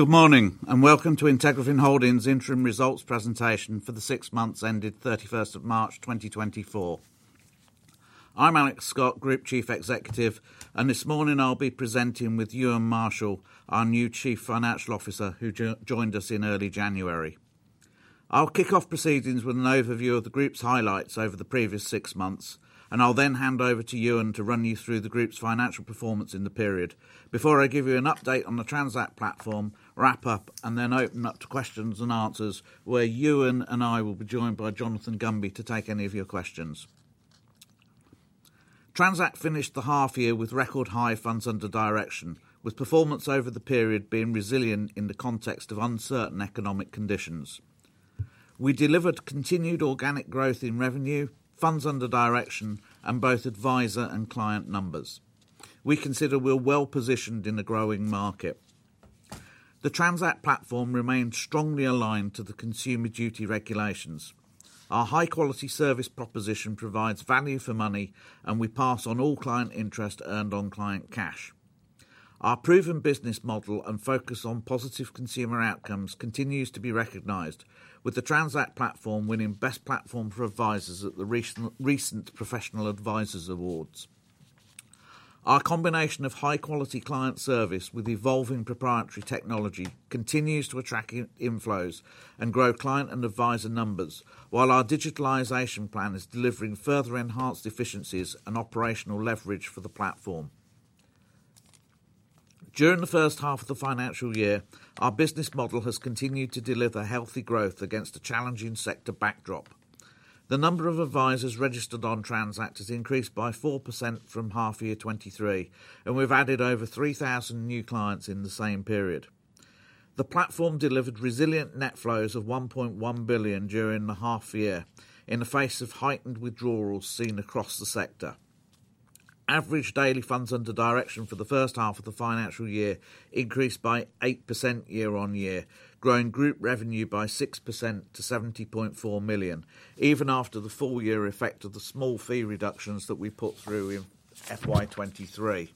Good morning, and welcome to IntegraFin Holdings interim results presentation for the six months ended 31st March 2024. I'm Alex Scott, Group Chief Executive, and this morning I'll be presenting with Euan Marshall, our new Chief Financial Officer, who joined us in early January. I'll kick off proceedings with an overview of the group's highlights over the previous six months, and I'll then hand over to Euan to run you through the group's financial performance in the period before I give you an update on the Transact platform, wrap up, and then open up to questions and answers, where Euan and I will be joined by Jonathan Gunby to take any of your questions. Transact finished the half year with record high funds under direction, with performance over the period being resilient in the context of uncertain economic conditions. We delivered continued organic growth in revenue, funds under direction, and both advisor and client numbers. We consider we're well-positioned in a growing market. The Transact platform remains strongly aligned to the Consumer Duty regulations. Our high-quality service proposition provides value for money, and we pass on all client interest earned on client cash. Our proven business model and focus on positive consumer outcomes continues to be recognized, with the Transact platform winning Best Platform for Advisors at the recent Professional Adviser Awards. Our combination of high-quality client service with evolving proprietary technology continues to attract inflows and grow client and advisor numbers, while our digitalization plan is delivering further enhanced efficiencies and operational leverage for the platform. During the first half of the financial year, our business model has continued to deliver healthy growth against a challenging sector backdrop. The number of advisors registered on Transact has increased by 4% from half year 2023, and we've added over 3,000 new clients in the same period. The platform delivered resilient net flows of 1.1 billion during the half year in the face of heightened withdrawals seen across the sector. Average daily funds under direction for the first half of the financial year increased by 8% year-on-year, growing group revenue by 6% to 70.4 million, even after the full year effect of the small fee reductions that we put through in FY 2023.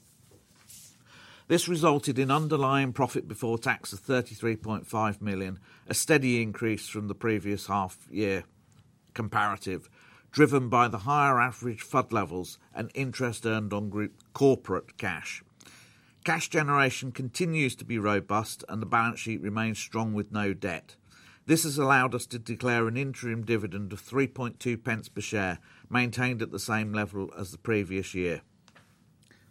This resulted in underlying profit before tax of 33.5 million, a steady increase from the previous half year comparative, driven by the higher average FUD levels and interest earned on group corporate cash. Cash generation continues to be robust, and the balance sheet remains strong with no debt. This has allowed us to declare an interim dividend of 0.032 per share, maintained at the same level as the previous year.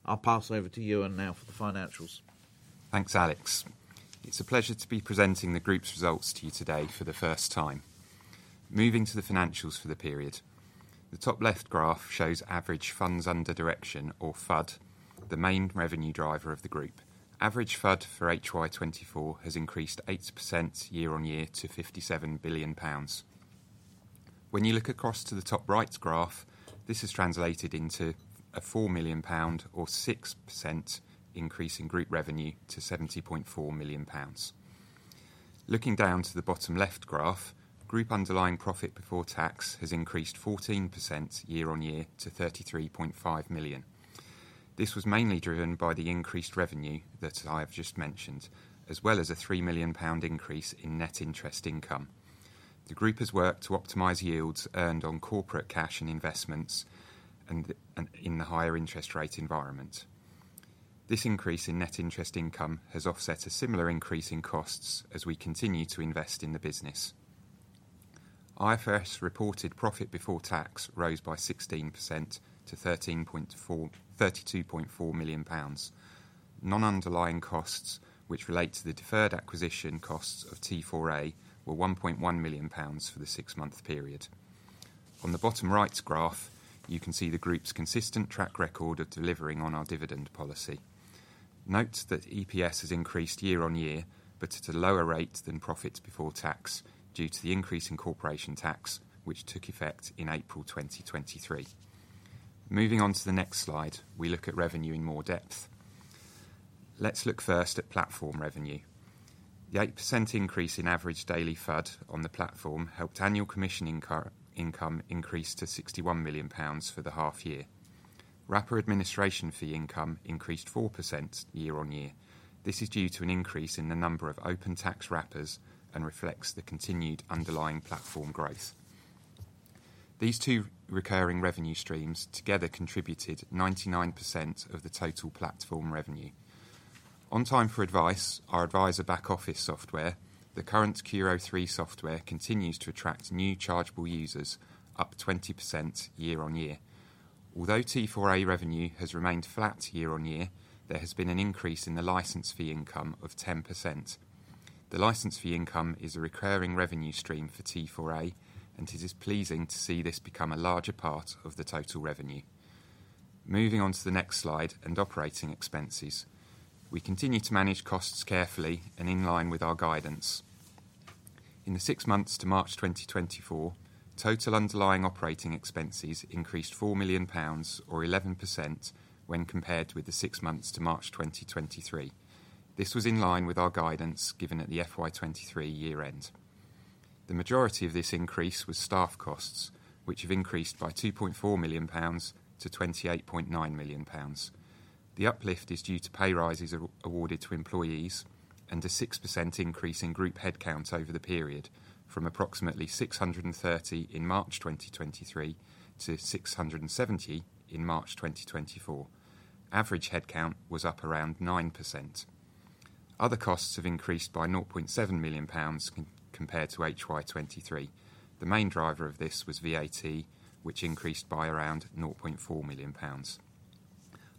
I'll pass over to Euan now for the financials. Thanks, Alex. It's a pleasure to be presenting the group's results to you today for the first time. Moving to the financials for the period. The top left graph shows average funds under direction or FUD, the main revenue driver of the group. Average FUD for FY 2024 has increased 80% year-on-year to 57 billion pounds. When you look across to the top right graph, this has translated into a 4 million pound or 6% increase in group revenue to 70.4 million pounds. Looking down to the bottom left graph, group underlying profit before tax has increased 14% year-on-year to 33.5 million. This was mainly driven by the increased revenue that I have just mentioned, as well as a 3 million pound increase in net interest income. The group has worked to optimize yields earned on corporate cash and investments and in the higher interest rate environment. This increase in net interest income has offset a similar increase in costs as we continue to invest in the business. IFRS reported profit before tax rose by 16% to 32.4 million pounds. Non-underlying costs, which relate to the deferred acquisition costs of T4A, were GBP 1.1 million for the six-month period. On the bottom right graph, you can see the group's consistent track record of delivering on our dividend policy. Note that EPS has increased year-on-year, but at a lower rate than profits before tax due to the increase in corporation tax, which took effect in April 2023. Moving on to the next slide, we look at revenue in more depth. Let's look first at platform revenue. The 8% increase in average daily FUD on the platform helped annual commission and recurring income increase to 61 million pounds for the half-year. Wrapper administration fee income increased 4% year-on-year. This is due to an increase in the number of open tax wrappers and reflects the continued underlying platform growth. These two recurring revenue streams together contributed 99% of the total platform revenue. On Time4Advice, our advisor back-office software, the current CURO 3 software, continues to attract new chargeable users, up 20% year-on-year. Although T4A revenue has remained flat year-on-year, there has been an increase in the license fee income of 10%. The license fee income is a recurring revenue stream for T4A, and it is pleasing to see this become a larger part of the total revenue. Moving on to the next slide and operating expenses. We continue to manage costs carefully and in line with our guidance. In the six months to March 2024, total underlying operating expenses increased 4 million pounds or 11% when compared with the six months to March 2023. This was in line with our guidance given at the FY 2023 year end. The majority of this increase was staff costs, which have increased by 2.4 million-28.9 million pounds. The uplift is due to pay rises awarded to employees and a 6% increase in group headcount over the period, from approximately 630 in March 2023 to 670 in March 2024. Average headcount was up around 9%. Other costs have increased by 0.7 million pounds compared to HY 2023. The main driver of this was VAT, which increased by around 0.4 million pounds.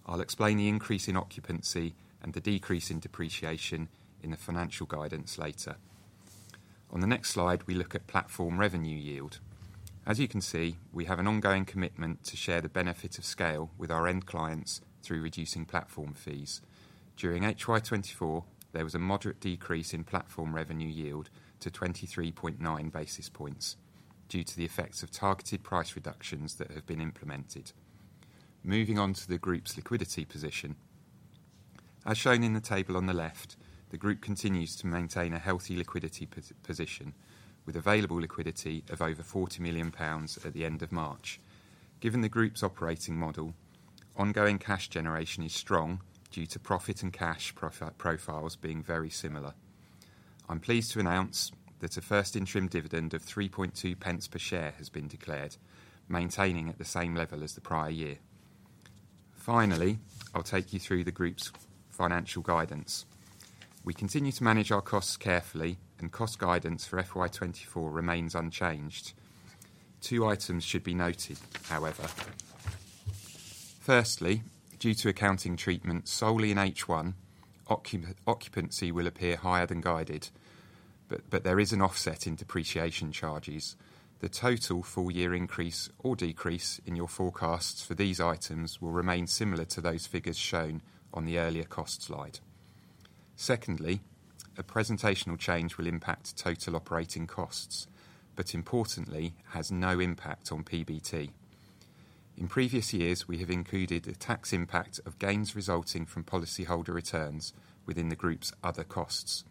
I'll explain the increase in occupancy and the decrease in depreciation in the financial guidance later. On the next slide, we look at platform revenue yield. As you can see, we have an ongoing commitment to share the benefit of scale with our end clients through reducing platform fees. During HY 2024, there was a moderate decrease in platform revenue yield to 23.9 basis points due to the effects of targeted price reductions that have been implemented. Moving on to the group's liquidity position. As shown in the table on the left, the group continues to maintain a healthy liquidity position, with available liquidity of over 40 million pounds at the end of March. Given the group's operating model, ongoing cash generation is strong due to profit and cash profiles being very similar. I'm pleased to announce that a first interim dividend of 0.032 per share has been declared, maintaining at the same level as the prior year. Finally, I'll take you through the group's financial guidance. We continue to manage our costs carefully, and cost guidance for FY 2024 remains unchanged. Two items should be noted, however. Firstly, due to accounting treatment solely in H1, occupancy will appear higher than guided, but there is an offset in depreciation charges. The total full-year increase or decrease in your forecasts for these items will remain similar to those figures shown on the earlier cost slide. Secondly, a presentational change will impact total operating costs, but importantly, has no impact on PBT. In previous years, we have included a tax impact of gains resulting from policyholder returns within the group's other costs.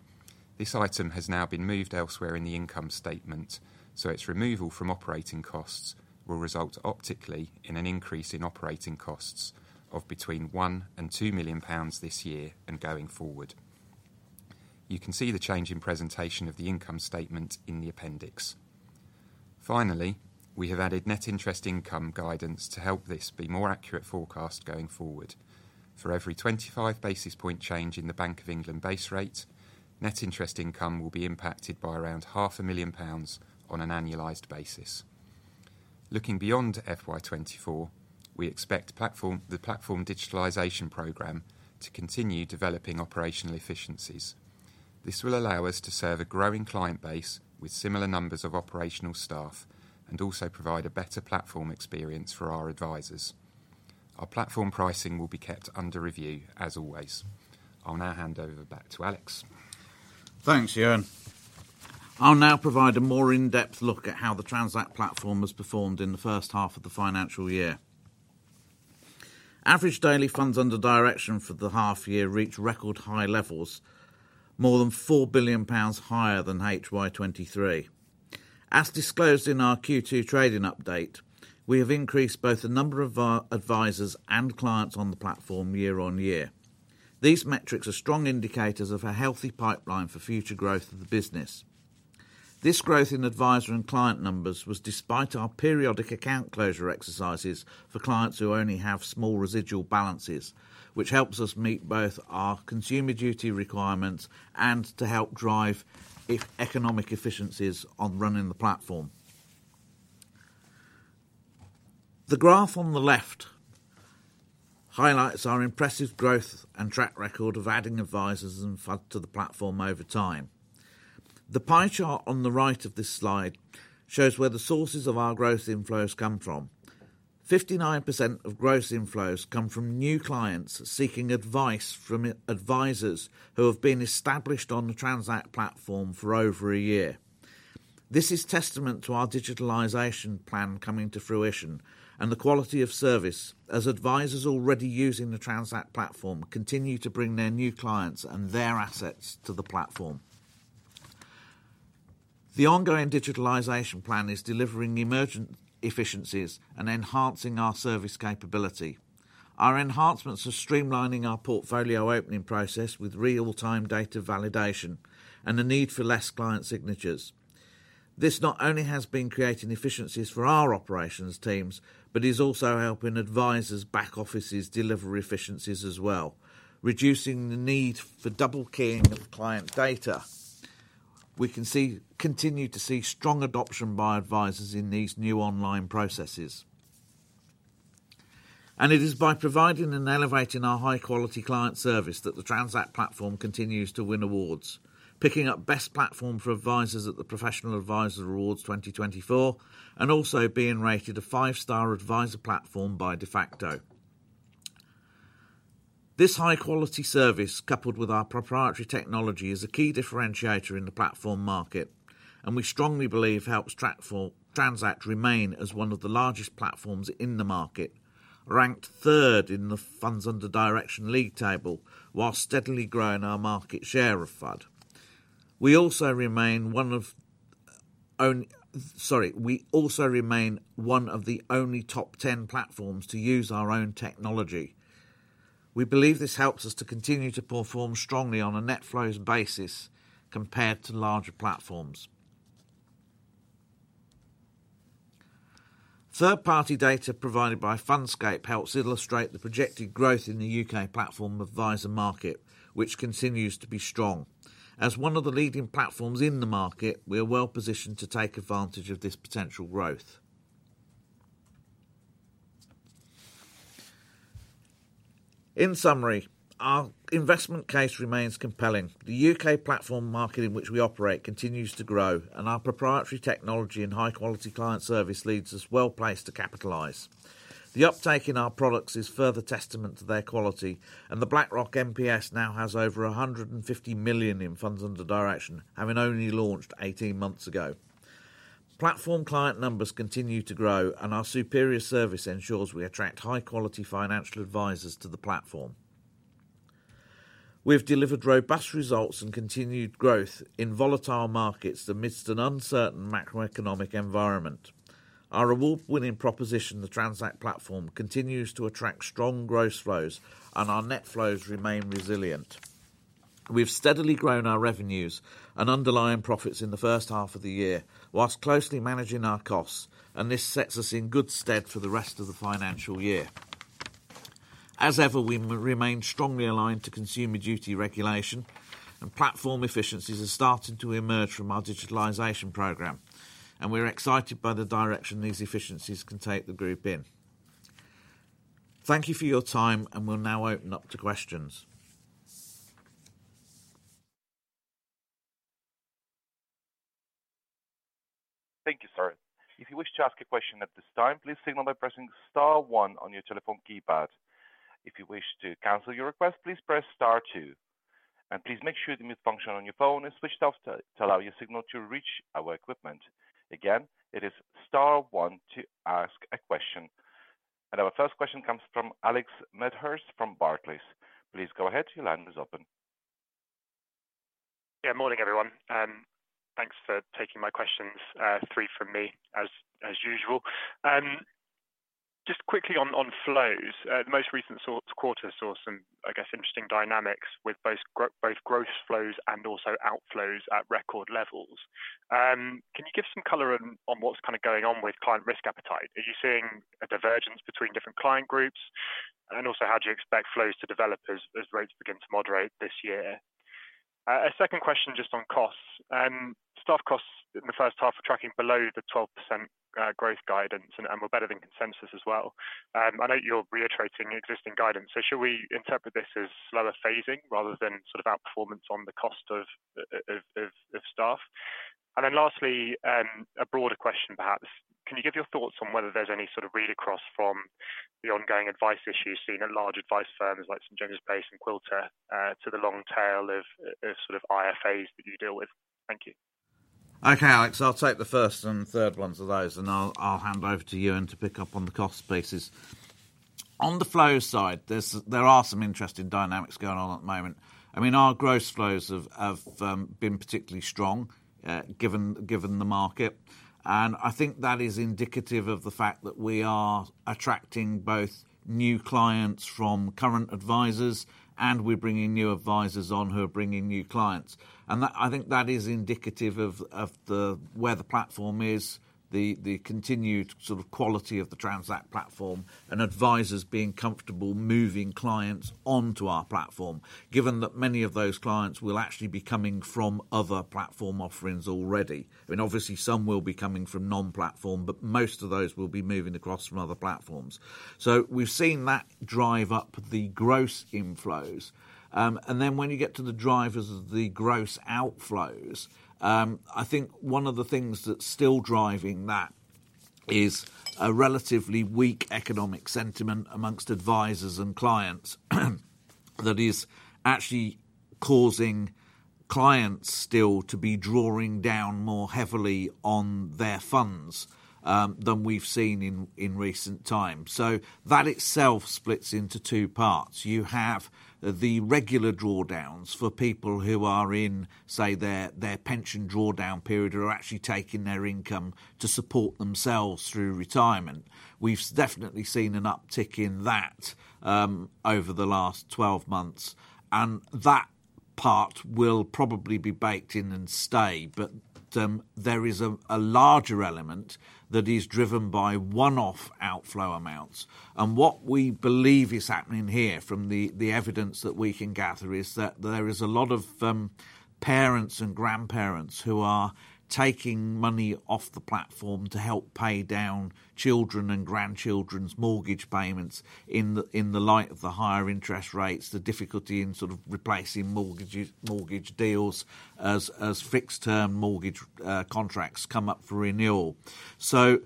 This item has now been moved elsewhere in the income statement, so its removal from operating costs will result optically in an increase in operating costs of between 1 million and 2 million pounds this year and going forward. You can see the change in presentation of the income statement in the appendix. Finally, we have added net interest income guidance to help this be more accurate forecast going forward. For every 25 basis points change in the Bank of England base rate, net interest income will be impacted by around 500,000 pounds on an annualized basis. Looking beyond FY 2024, we expect the platform digitalization program to continue developing operational efficiencies. This will allow us to serve a growing client base with similar numbers of operational staff and also provide a better platform experience for our advisors. Our platform pricing will be kept under review as always. I'll now hand over back to Alex. Thanks, Euan. I'll now provide a more in-depth look at how the Transact platform has performed in the first half of the financial year. Average daily funds under direction for the half year reached record high levels, more than 4 billion pounds higher than HY 2023. As disclosed in our Q2 trading update, we have increased both the number of our advisors and clients on the platform year-over-year. These metrics are strong indicators of a healthy pipeline for future growth of the business. This growth in advisor and client numbers was despite our periodic account closure exercises for clients who only have small residual balances, which helps us meet both our Consumer Duty requirements and to help drive economic efficiencies on running the platform. The graph on the left highlights our impressive growth and track record of adding advisors and funds to the platform over time. The pie chart on the right of this slide shows where the sources of our gross inflows come from. 59% of gross inflows come from new clients seeking advice from advisors who have been established on the Transact platform for over a year. This is testament to our digitalization plan coming to fruition and the quality of service as advisors already using the Transact platform continue to bring their new clients and their assets to the platform. The ongoing digitalization plan is delivering emergent efficiencies and enhancing our service capability. Our enhancements are streamlining our portfolio opening process with real-time data validation and the need for less client signatures. This not only has been creating efficiencies for our operations teams, but is also helping advisors' back offices deliver efficiencies as well, reducing the need for double keying of client data. Continue to see strong adoption by advisors in these new online processes. It is by providing and elevating our high-quality client service that the Transact platform continues to win awards, picking up Best Platform for Advisors at the Professional Advisor Awards 2024 and also being rated a five-star advisor platform by Defaqto. This high-quality service, coupled with our proprietary technology, is a key differentiator in the platform market, and we strongly believe helps Transact remain as one of the largest platforms in the market, ranked third in the funds under direction league table, while steadily growing our market share of FUD. We also remain one of the only top ten platforms to use our own technology. We believe this helps us to continue to perform strongly on a net flows basis compared to larger platforms. Third-party data provided by Fundscape helps illustrate the projected growth in the U.K. platform advisor market, which continues to be strong. As one of the leading platforms in the market, we are well-positioned to take advantage of this potential growth. In summary, our investment case remains compelling. The U.K. platform market in which we operate continues to grow, and our proprietary technology and high-quality client service leaves us well-placed to capitalize. The uptake in our products is further testament to their quality, and the Blackrock MPS now has over 150 million in funds under direction, having only launched 18 months ago. Platform client numbers continue to grow, and our superior service ensures we attract high-quality financial advisors to the platform. We've delivered robust results and continued growth in volatile markets amidst an uncertain macroeconomic environment. Our award-winning proposition, the Transact platform, continues to attract strong gross flows, and our net flows remain resilient. We've steadily grown our revenues and underlying profits in the first half of the year, while closely managing our costs, and this sets us in good stead for the rest of the financial year. As ever, we remain strongly aligned to Consumer Duty regulation, and platform efficiencies are starting to emerge from our digitalization program, and we're excited by the direction these efficiencies can take the group in. Thank you for your time, and we'll now open up to questions. Thank you, sir. If you wish to ask a question at this time, please signal by pressing star one on your telephone keypad. If you wish to cancel your request, please press star two, and please make sure the mute function on your phone is switched off to allow your signal to reach our equipment. Again, it is star one to ask a question. Our first question comes from Alex Medhurst from Barclays. Please go ahead. Your line is open. Yeah, morning, everyone, thanks for taking my questions, three from me, as usual. Just quickly on flows, the most recent quarter saw some, I guess, interesting dynamics with both gross flows and also outflows at record levels. Can you give some color on what's kind of going on with client risk appetite? Are you seeing a divergence between different client groups? And then also, how do you expect flows to develop as rates begin to moderate this year? A second question just on costs. Staff costs in the first half are tracking below the 12% growth guidance and we're better than consensus as well. I know you're reiterating existing guidance, so should we interpret this as slower phasing rather than sort of outperformance on the cost of staff? And then lastly, a broader question perhaps: Can you give your thoughts on whether there's any sort of read-across from the ongoing advice issues seen at large advice firms like St. James's Place and Quilter to the long tail of sort of IFAs that you deal with? Thank you. Okay, Alex, I'll take the first and third ones of those, and I'll hand over to Euan to pick up on the cost pieces. On the flow side, there are some interesting dynamics going on at the moment. I mean, our gross flows have been particularly strong, given the market, and I think that is indicative of the fact that we are attracting both new clients from current advisors, and we're bringing new advisors on who are bringing new clients, and that I think that is indicative of the where the platform is, the continued sort of quality of the Transact platform, and advisors being comfortable moving clients onto our platform, given that many of those clients will actually be coming from other platform offerings already. I mean, obviously, some will be coming from non-platform, but most of those will be moving across from other platforms. So we've seen that drive up the gross inflows, and then when you get to the drivers of the gross outflows, I think one of the things that's still driving that is a relatively weak economic sentiment amongst advisors and clients, that is actually causing clients still to be drawing down more heavily on their funds, than we've seen in recent times. So that itself splits into two parts. You have the regular drawdowns for people who are in, say, their pension drawdown period, or are actually taking their income to support themselves through retirement. We've definitely seen an uptick in that over the last 12 months, and that part will probably be baked in and stay, but there is a larger element that is driven by one-off outflow amounts. And what we believe is happening here, from the evidence that we can gather, is that there is a lot of parents and grandparents who are taking money off the platform to help pay down children and grandchildren's mortgage payments in the light of the higher interest rates, the difficulty in sort of replacing mortgages, mortgage deals as fixed-term mortgage contracts come up for renewal. So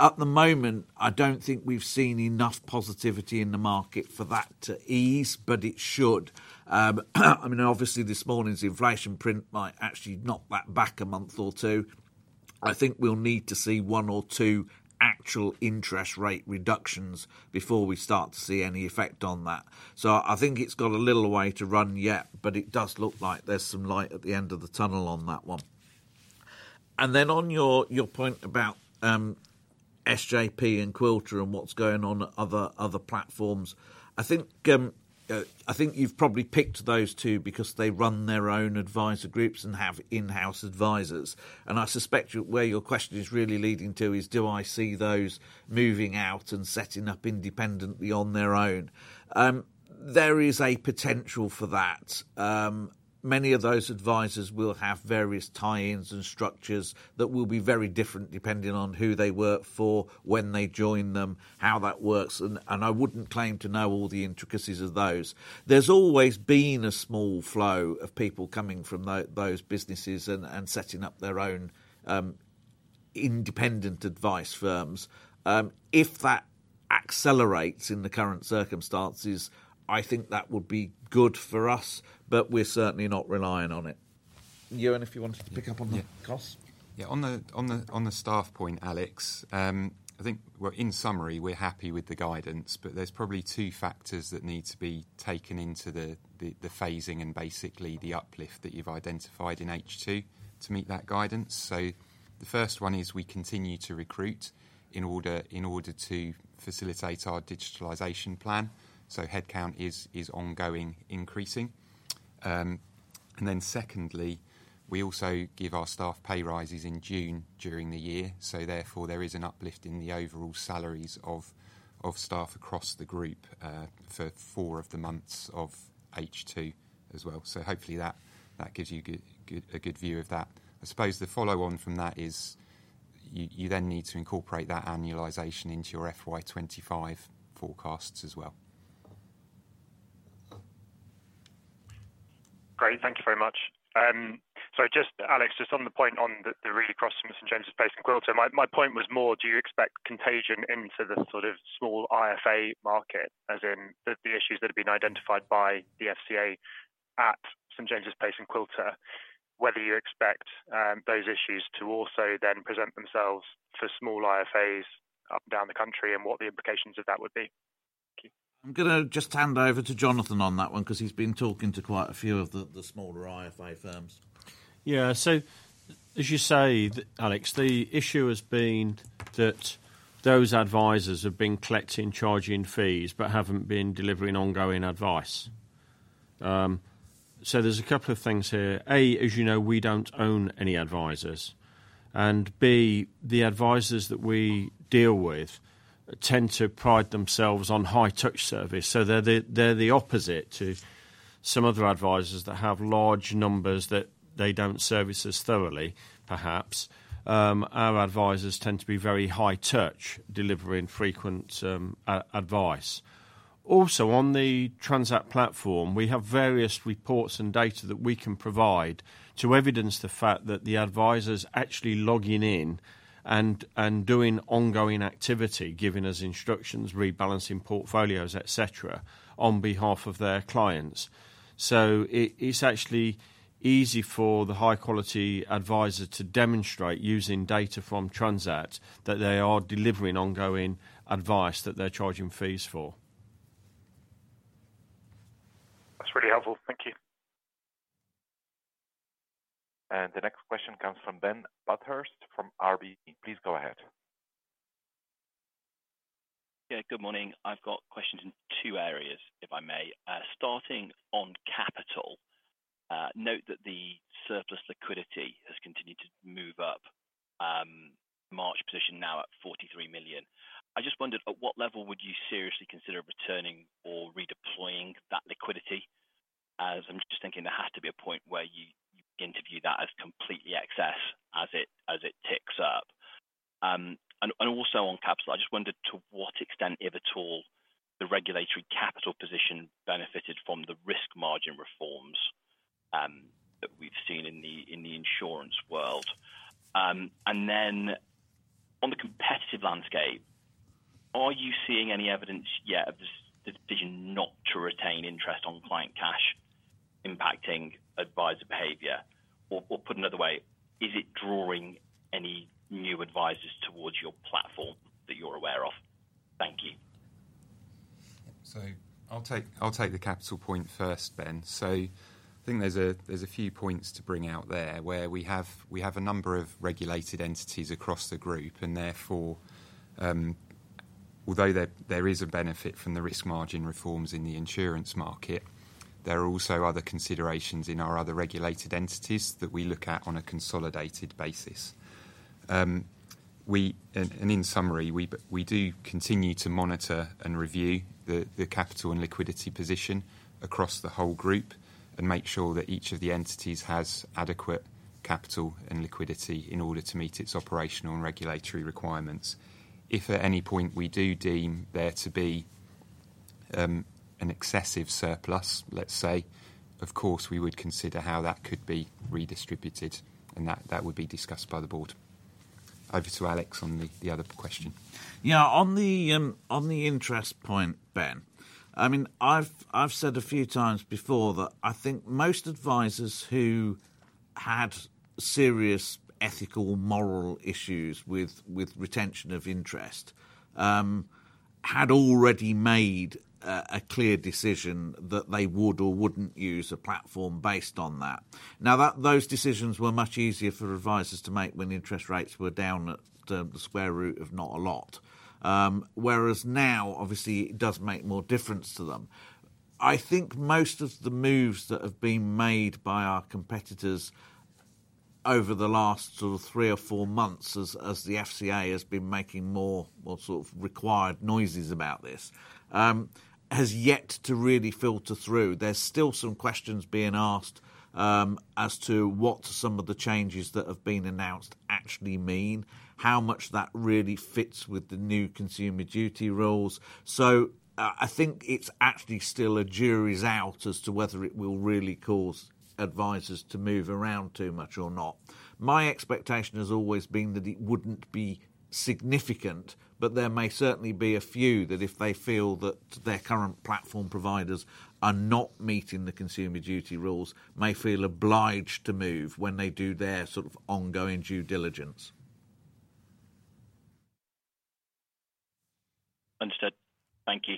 at the moment, I don't think we've seen enough positivity in the market for that to ease, but it should. I mean, obviously, this morning's inflation print might actually knock that back a month or two. I think we'll need to see one or two actual interest rate reductions before we start to see any effect on that. So I think it's got a little way to run yet, but it does look like there's some light at the end of the tunnel on that one. And then on your point about SJP and Quilter and what's going on at other platforms, I think you've probably picked those two because they run their own advisor groups and have in-house advisors. And I suspect where your question is really leading to is do I see those moving out and setting up independently on their own? There is a potential for that. Many of those advisors will have various tie-ins and structures that will be very different, depending on who they work for, when they join them, how that works, and I wouldn't claim to know all the intricacies of those. There's always been a small flow of people coming from those businesses and setting up their own independent advice firms. If that accelerates in the current circumstances, I think that would be good for us, but we're certainly not relying on it. Euan, if you wanted to pick up on that, Kos? Yeah. On the staff point, Alex, I think... Well, in summary, we're happy with the guidance, but there's probably two factors that need to be taken into the phasing and basically the uplift that you've identified in H2 to meet that guidance. So the first one is we continue to recruit in order to facilitate our digitalization plan, so headcount is ongoing, increasing. And then secondly, we also give our staff pay rises in June during the year, so therefore, there is an uplift in the overall salaries of staff across the group for four of the months of H2 as well. So hopefully that gives you a good view of that. I suppose the follow on from that is you then need to incorporate that annualization into your FY 2025 forecasts as well. Great. Thank you very much. So just, Alex, just on the point on the, the real crux from St. James's Place and Quilter. My point was more, do you expect contagion into the sort of small IFA market, as in the, the issues that have been identified by the FCA at St. James's Place and Quilter, whether you expect those issues to also then present themselves to small IFAs up and down the country, and what the implications of that would be? Thank you. I'm gonna just hand over to Jonathan on that one, 'cause he's been talking to quite a few of the smaller IFA firms. Yeah, so as you say, Alex, the issue has been that those advisors have been collecting, charging fees, but haven't been delivering ongoing advice. So there's a couple of things here. A, as you know, we don't own any advisors, and B, the advisors that we deal with tend to pride themselves on high-touch service, so they're the, they're the opposite to some other advisors that have large numbers that they don't service as thoroughly, perhaps. Our advisors tend to be very high-touch, delivering frequent advice. Also, on the Transact platform, we have various reports and data that we can provide to evidence the fact that the advisor's actually logging in and doing ongoing activity, giving us instructions, rebalancing portfolios, et cetera, on behalf of their clients. It's actually easy for the high-quality advisor to demonstrate, using data from Transact, that they are delivering ongoing advice that they're charging fees for. That's really helpful. Thank you. The next question comes from Ben Bathurst from RBC. Please go ahead. Yeah, good morning. I've got questions in two areas, if I may. Starting on capital, note that the surplus liquidity has continued to move up, March position now at 43 million. I just wondered, at what level would you seriously consider returning or redeploying that liquidity? As I'm just thinking, there has to be a point where you, you view that as completely excess as it ticks up. And also on capital, I just wondered to what extent, if at all, the regulatory capital position benefited from the risk margin reforms that we've seen in the insurance world. And then on the competitive landscape, are you seeing any evidence yet of this decision not to retain interest on client cash impacting advisor behavior? Or, put another way, is it drawing any new advisors towards your platform that you're aware of? Thank you. So I'll take the capital point first, Ben. So I think there's a few points to bring out there, where we have a number of regulated entities across the group, and therefore, although there is a benefit from the risk margin reforms in the insurance market, there are also other considerations in our other regulated entities that we look at on a consolidated basis. In summary, we do continue to monitor and review the capital and liquidity position across the whole group and make sure that each of the entities has adequate capital and liquidity in order to meet its operational and regulatory requirements. If at any point we do deem there to be an excessive surplus, let's say, of course, we would consider how that could be redistributed, and that, that would be discussed by the board. Over to Alex on the other question. Yeah, on the interest point, Ben, I mean, I've said a few times before that I think most advisors who had serious ethical, moral issues with retention of interest had already made a clear decision that they would or wouldn't use a platform based on that. Now, that those decisions were much easier for advisors to make when interest rates were down at the square root of not a lot. Whereas now, obviously, it does make more difference to them. I think most of the moves that have been made by our competitors over the last sort of three or four months, as the FCA has been making more sort of required noises about this, has yet to really filter through. There's still some questions being asked, as to what some of the changes that have been announced actually mean, how much that really fits with the new Consumer Duty rules. So I, I think it's actually still a jury's out as to whether it will really cause advisors to move around too much or not. My expectation has always been that it wouldn't be significant, but there may certainly be a few that if they feel that their current platform providers are not meeting the Consumer Duty rules, may feel obliged to move when they do their sort of ongoing due diligence. Understood. Thank you.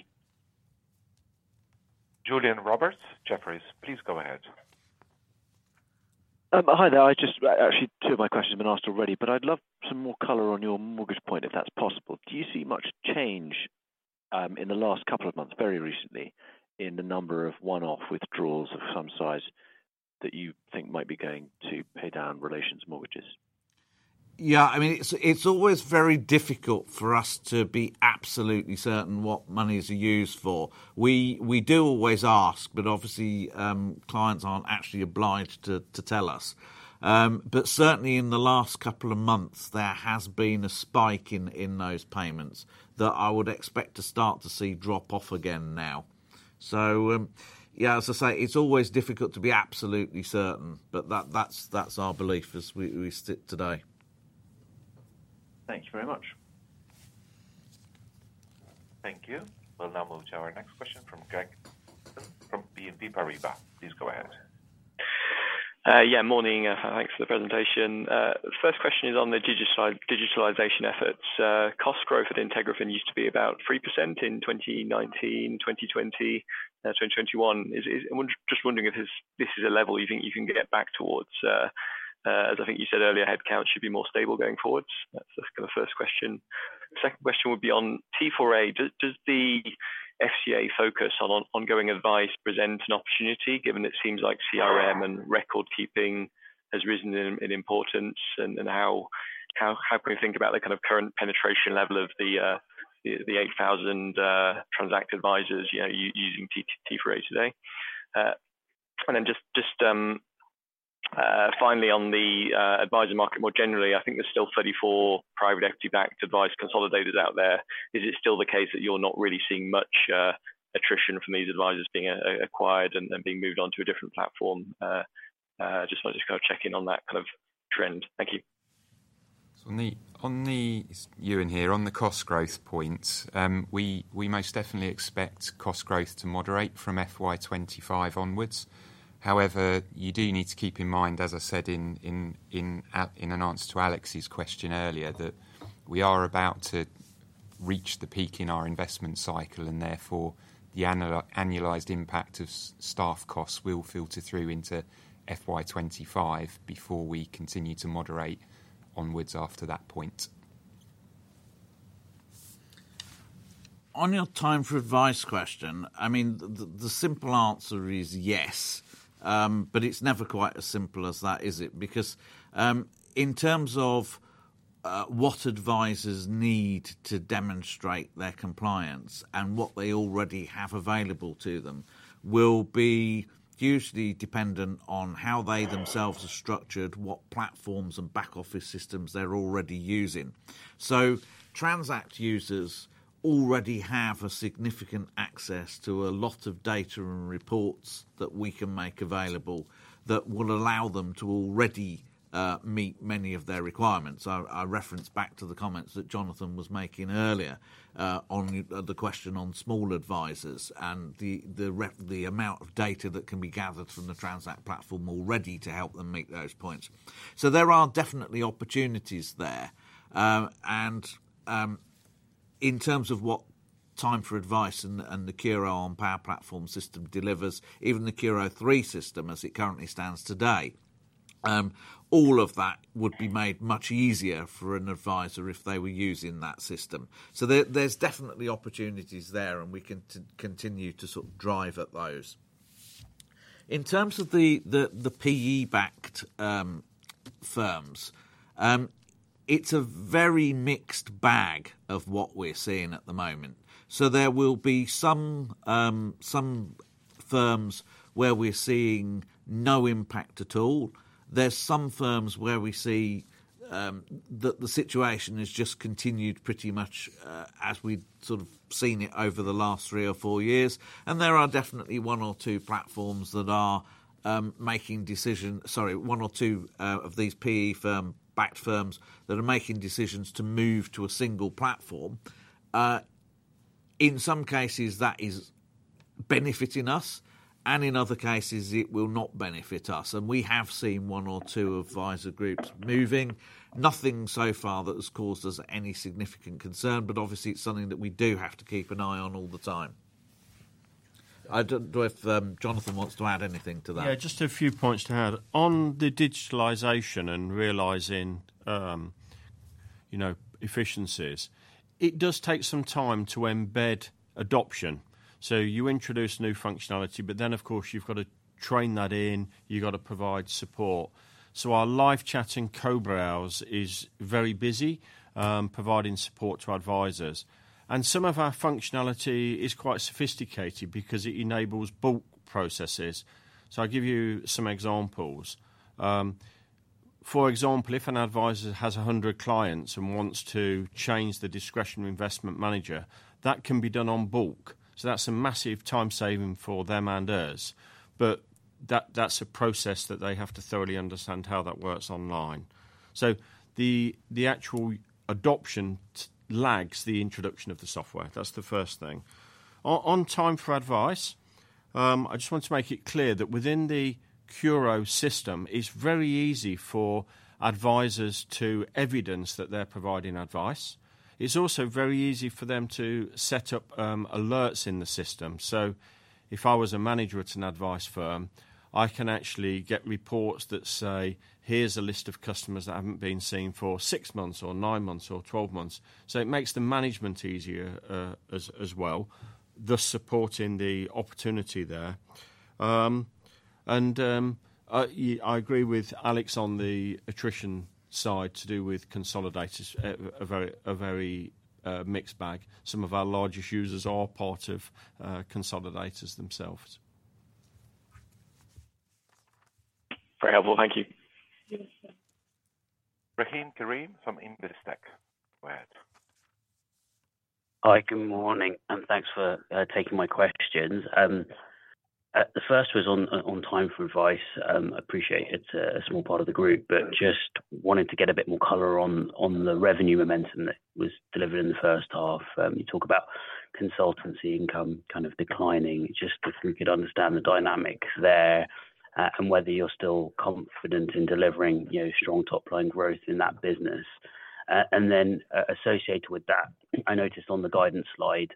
Julian Roberts, Jefferies, please go ahead. Hi there. Actually, two of my questions have been asked already, but I'd love some more color on your mortgage point, if that's possible. Do you see much change in the last couple of months, very recently, in the number of one-off withdrawals of some size that you think might be going to pay down residential mortgages? Yeah, I mean, it's always very difficult for us to be absolutely certain what monies are used for. We do always ask, but obviously, clients aren't actually obliged to tell us. But certainly in the last couple of months, there has been a spike in those payments that I would expect to start to see drop off again now. So, yeah, as I say, it's always difficult to be absolutely certain, but that's our belief as we sit today. Thank you very much. Thank you. We'll now move to our next question from Greg from BNP Paribas. Please go ahead. Yeah, morning, thanks for the presentation. First question is on the digitalization efforts. Cost growth at IntegraFin used to be about 3% in 2019, 2020, 2021. Is this a level you think you can get back towards, as I think you said earlier, headcount should be more stable going forward. That's kind of first question. Second question would be on T4A. Does the FCA focus on ongoing advice present an opportunity, given it seems like CRM and record keeping has risen in importance, and how can we think about the kind of current penetration level of the 8,000 Transact advisors, you know, using T4A today? And then just finally, on the advisor market, more generally, I think there's still 34 private equity-backed advice consolidators out there. Is it still the case that you're not really seeing much attrition from these advisors being acquired and being moved on to a different platform? Just wanted to kind of check in on that kind of trend. Thank you. It's Euan here. On the cost growth point, we most definitely expect cost growth to moderate from FY 2025 onwards. However, you do need to keep in mind, as I said in an answer to Alex's question earlier, that we are about to reach the peak in our investment cycle, and therefore, the annualized impact of staff costs will filter through into FY 2025 before we continue to moderate onwards after that point. On your Time4Advice question, I mean, the simple answer is yes, but it's never quite as simple as that, is it? Because, in terms of, what advisors need to demonstrate their compliance and what they already have available to them will be hugely dependent on how they themselves are structured, what platforms and back-office systems they're already using. So Transact users already have a significant access to a lot of data and reports that we can make available that will allow them to already meet many of their requirements. I reference back to the comments that Jonathan was making earlier, on the question on small advisors and the amount of data that can be gathered from the Transact platform already to help them meet those points. So there are definitely opportunities there. And, in terms of what Time4Advice and the CURO on-platform system delivers, even the CURO 3 system as it currently stands today, all of that would be made much easier for an advisor if they were using that system. So, there's definitely opportunities there, and we can continue to sort of drive at those. In terms of the PE-backed firms, it's a very mixed bag of what we're seeing at the moment. So there will be some some firms where we're seeing no impact at all. There's some firms where we see that the situation has just continued pretty much as we've sort of seen it over the last three or four years, and there are definitely one or two platforms that are making decisions... Sorry, one or two of these PE firm-backed firms that are making decisions to move to a single platform. In some cases, that is benefiting us, and in other cases, it will not benefit us. And we have seen one or two advisor groups moving. Nothing so far that has caused us any significant concern, but obviously, it's something that we do have to keep an eye on all the time. I don't know if Jonathan wants to add anything to that. Yeah, just a few points to add. On the digitalization and realizing, you know, efficiencies, it does take some time to embed adoption. So you introduce new functionality, but then, of course, you've got to train that in, you've got to provide support. So our live chat and co-browse is very busy, providing support to advisors. And some of our functionality is quite sophisticated because it enables bulk processes. So I'll give you some examples. For example, if an advisor has 100 clients and wants to change the discretionary investment manager, that can be done on bulk. So that's a massive time saving for them and us, but that, that's a process that they have to thoroughly understand how that works online. So the actual adoption lags the introduction of the software. That's the first thing. On Time4Advice, I just want to make it clear that within the CURO system, it's very easy for advisors to evidence that they're providing advice. It's also very easy for them to set up alerts in the system. So if I was a manager at an advice firm, I can actually get reports that say, "Here's a list of customers that haven't been seen for six months, or nine months, or twelve months." So it makes the management easier, as well, thus supporting the opportunity there. I agree with Alex on the attrition side to do with consolidators, a very mixed bag. Some of our largest users are part of consolidators themselves. Very helpful. Thank you. Rahim Karim from Investec. Go ahead. Hi, good morning, and thanks for taking my questions. The first was on Time4Advice. Appreciate it's a small part of the group, but just wanted to get a bit more color on the revenue momentum that was delivered in the first half. You talk about consultancy income kind of declining, just if we could understand the dynamics there, and whether you're still confident in delivering, you know, strong top-line growth in that business. And then, associated with that, I noticed on the guidance slide,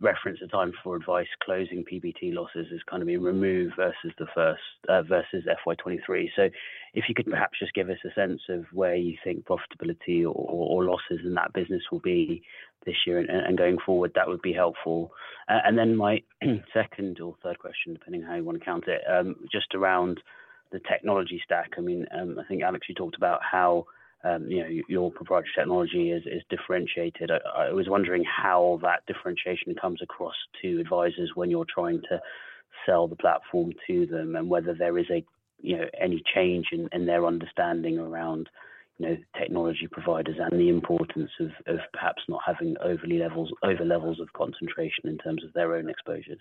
reference to Time4Advice, closing PBT losses is kinda been removed versus the first versus FY 2023. So if you could perhaps just give us a sense of where you think profitability or losses in that business will be this year and going forward, that would be helpful. And then my second or third question, depending on how you want to count it, just around the technology stack. I mean, I think, Alex, you talked about how, you know, your proprietary technology is differentiated. I was wondering how that differentiation comes across to advisors when you're trying to sell the platform to them, and whether there is, you know, any change in their understanding around, you know, technology providers and the importance of perhaps not having over levels of concentration in terms of their own exposures.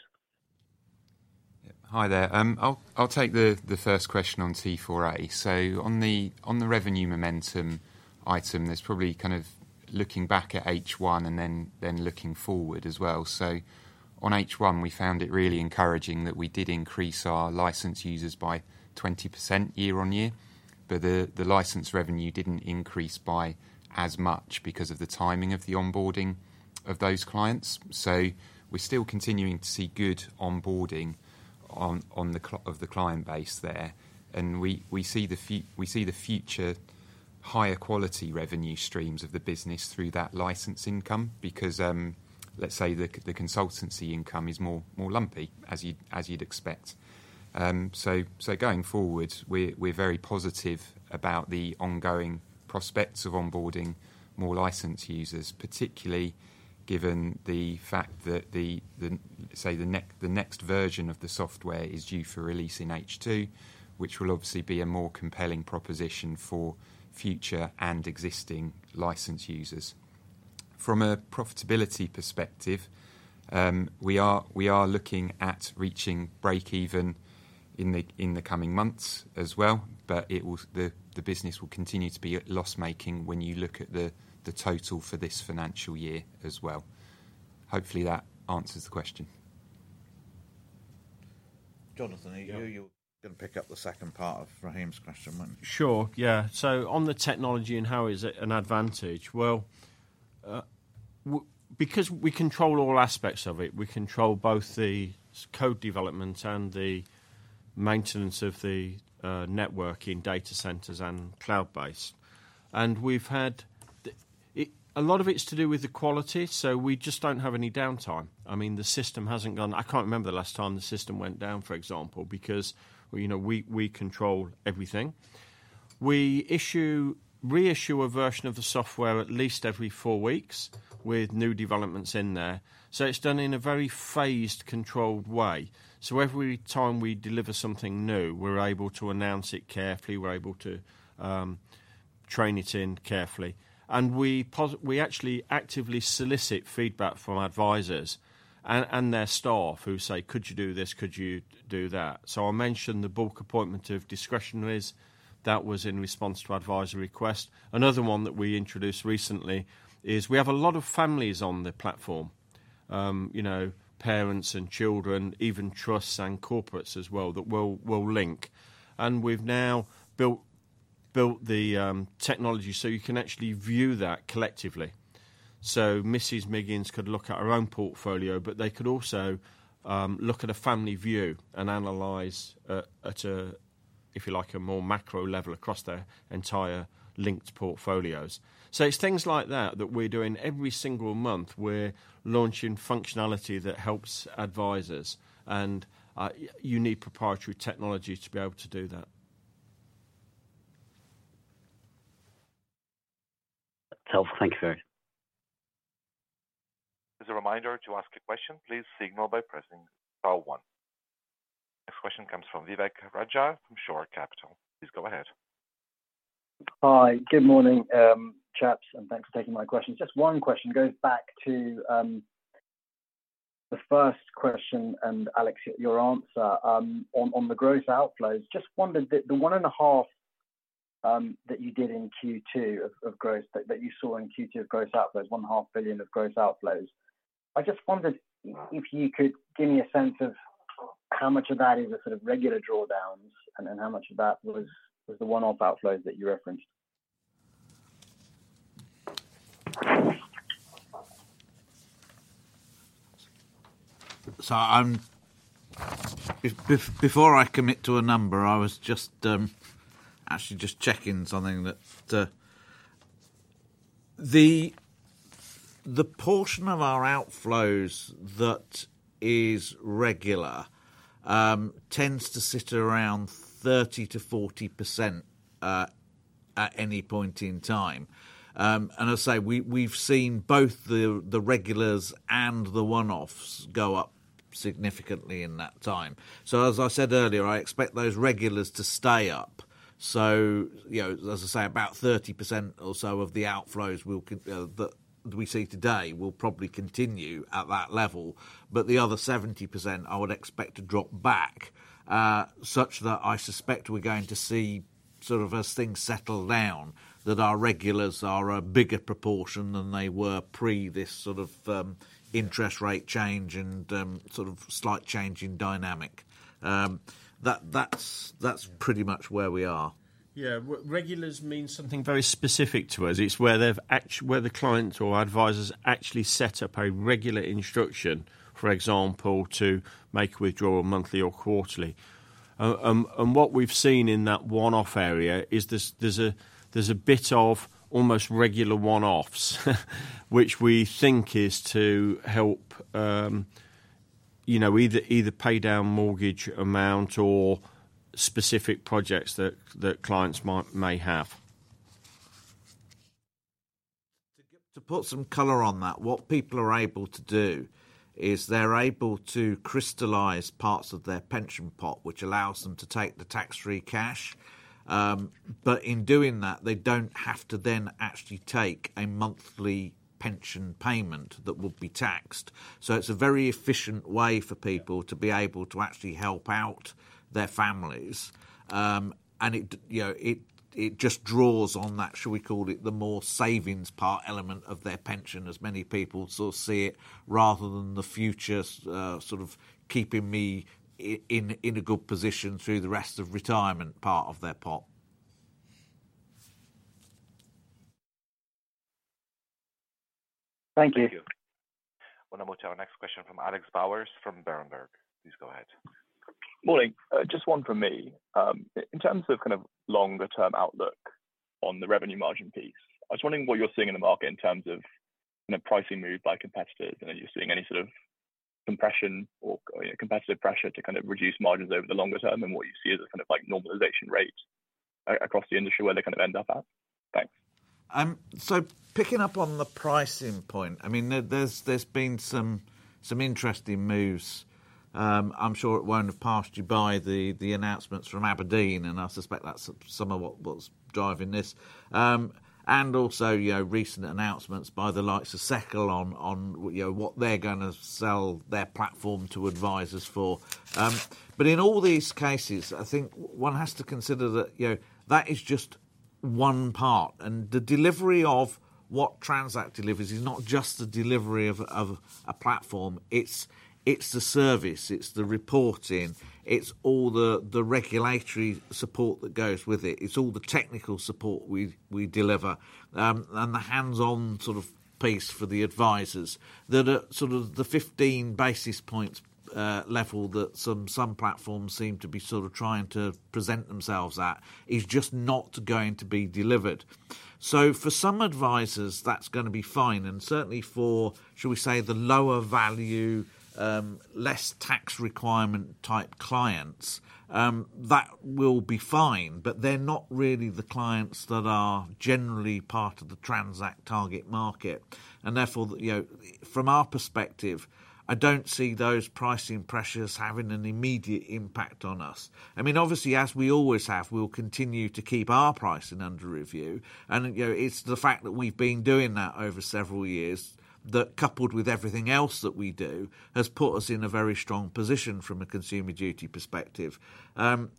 Hi there. I'll take the first question on T4A. So on the revenue momentum item, there's probably kind of looking back at H1 and then looking forward as well. So on H1, we found it really encouraging that we did increase our licensed users by 20% year-on-year, but the license revenue didn't increase by as much because of the timing of the onboarding of those clients. So we're still continuing to see good onboarding on the client base there, and we see the future higher quality revenue streams of the business through that license income, because, let's say, the consultancy income is more lumpy, as you'd expect. So going forward, we're very positive about the ongoing prospects of onboarding more licensed users, particularly given the fact that the next version of the software is due for release in H2, which will obviously be a more compelling proposition for future and existing license users. From a profitability perspective, we are looking at reaching break-even in the coming months as well, but it will... the business will continue to be at loss-making when you look at the total for this financial year as well. Hopefully, that answers the question. Jonathan- Yeah. Are you, you're gonna pick up the second part of Rahim's question, weren't you? Sure, yeah. So on the technology and how is it an advantage? Well, because we control all aspects of it, we control both the code development and the maintenance of the network in data centers and cloud base. And we've had the... It's a lot of it's to do with the quality, so we just don't have any downtime. I mean, the system hasn't gone... I can't remember the last time the system went down, for example, because, you know, we control everything. We issue, reissue a version of the software at least every four weeks with new developments in there. So it's done in a very phased, controlled way. So every time we deliver something new, we're able to announce it carefully, we're able to train it in carefully. And we actually actively solicit feedback from our advisors and their staff, who say: "Could you do this? Could you do that?" So I mentioned the bulk appointment of discretionaries. That was in response to advisor request. Another one that we introduced recently is we have a lot of families on the platform, you know, parents and children, even trusts and corporates as well, that will, will link. And we've now built, built the technology, so you can actually view that collectively. So Mrs. Miggins could look at her own portfolio, but they could also look at a family view and analyze at a, if you like, a more macro level across their entire linked portfolios. So it's things like that, that we're doing every single month. We're launching functionality that helps advisors, and you need proprietary technology to be able to do that. Helpful. Thank you very. As a reminder, to ask a question, please signal by pressing star one. Next question comes from Vivek Raja, from Shore Capital. Please go ahead. Hi, good morning, chaps, and thanks for taking my questions. Just one question goes back to, the first question, and Alex, your answer, on, on the gross outflows. Just wondered, the one and a half that you did in Q2 of gross that you saw in Q2 of gross outflows, 1.5 billion of gross outflows. I just wondered if you could give me a sense of how much of that is a sort of regular drawdowns, and then how much of that was the one-off outflows that you referenced? So I'm before I commit to a number, I was just actually just checking something that. The portion of our outflows that is regular tends to sit around 30%-40% at any point in time. And I say, we've seen both the regulars and the one-offs go up significantly in that time. So as I said earlier, I expect those regulars to stay up. So, you know, as I say, about 30% or so of the outflows will continue, that we see today, will probably continue at that level, but the other 70%, I would expect to drop back, such that I suspect we're going to see, sort of, as things settle down, that our regulars are a bigger proportion than they were pre this, sort of, interest rate change and, sort of, slight change in dynamic. That's pretty much where we are. Yeah. Regulars means something very specific to us. It's where they've—where the clients or advisors actually set up a regular instruction, for example, to make a withdrawal monthly or quarterly. And what we've seen in that one-off area is there's a bit of almost regular one-offs, which we think is to help, you know, either pay down mortgage amount or specific projects that clients may have. To put some color on that, what people are able to do is they're able to crystallize parts of their pension pot, which allows them to take the tax-free cash. But in doing that, they don't have to then actually take a monthly pension payment that will be taxed. So it's a very efficient way for people to be able to actually help out their families. And it, you know, it, it just draws on that, should we call it, the more savings part element of their pension, as many people sort of see it, rather than the future, sort of, keeping me in in a good position through the rest of retirement part of their pot. Thank you. Thank you. One more, our next question from Alex Bowers from Berenberg. Please go ahead. Morning. Just one from me. In terms of kind of longer-term outlook on the revenue margin piece, I was wondering what you're seeing in the market in terms of the pricing move by competitors. Are you seeing any sort of compression or competitive pressure to kind of reduce margins over the longer term, and what you see as a kind of, like, normalization rate across the industry, where they kind of end up at? Thanks. So picking up on the pricing point, I mean, there's been some interesting moves. I'm sure it won't have passed you by, the announcements from abrdn, and I suspect that's some of what's driving this. And also, you know, recent announcements by the likes of Seccl on, you know, what they're gonna sell their platform to advisors for. But in all these cases, I think one has to consider that, you know, that is just one part, and the delivery of what Transact delivers is not just the delivery of a platform, it's the service, it's the reporting, it's all the regulatory support that goes with it. It's all the technical support we deliver, and the hands-on sort of piece for the advisors. That are sort of the 15 basis points level that some platforms seem to be sort of trying to present themselves at is just not going to be delivered. So for some advisors, that's gonna be fine, and certainly for, should we say, the lower value, less tax requirement type clients, that will be fine, but they're not really the clients that are generally part of the Transact target market. And therefore, you know, from our perspective, I don't see those pricing pressures having an immediate impact on us. I mean, obviously, as we always have, we'll continue to keep our pricing under review, and, you know, it's the fact that we've been doing that over several years, that coupled with everything else that we do, has put us in a very strong position from a Consumer Duty perspective. You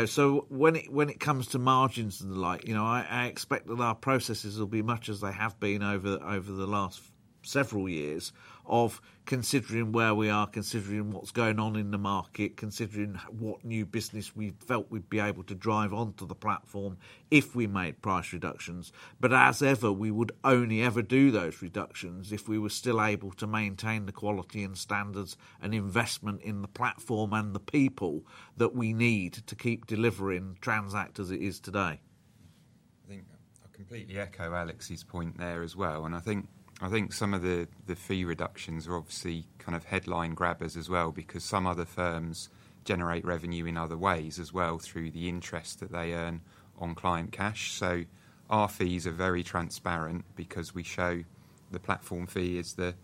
know, so when it, when it comes to margins and the like, you know, I, I expect that our processes will be much as they have been over, over the last several years of considering where we are, considering what's going on in the market, considering what new business we felt we'd be able to drive onto the platform if we made price reductions. But as ever, we would only ever do those reductions if we were still able to maintain the quality and standards and investment in the platform and the people that we need to keep delivering Transact as it is today. I think I completely echo Alex's point there as well, and I think, I think some of the fee reductions are obviously kind of headline grabbers as well, because some other firms generate revenue in other ways as well, through the interest that they earn on client cash. So our fees are very transparent because we show the platform fee as the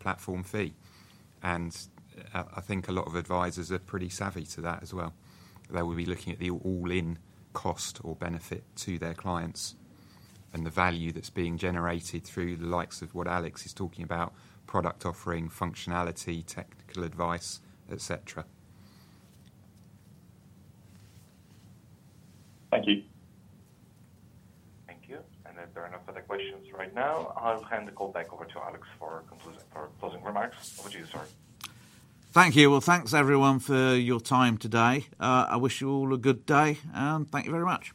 platform fee. And I think a lot of advisors are pretty savvy to that as well. They will be looking at the all-in cost or benefit to their clients and the value that's being generated through the likes of what Alex is talking about, product offering, functionality, technical advice, et cetera. Thank you. Thank you. If there are no further questions right now, I'll hand the call back over to Alex for concluding or closing remarks. Over to you, sir. Thank you. Well, thanks everyone for your time today. I wish you all a good day, and thank you very much.